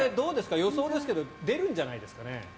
予想ですけど出るんじゃないですかね。